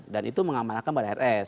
dan itu mengamanahkan pada hrs